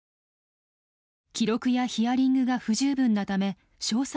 記録やヒアリングが不十分なため詳細